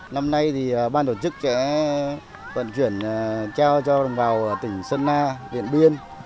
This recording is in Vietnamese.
năm nay thì ban tổ chức sẽ vận chuyển cho vào tỉnh sơn na điện biên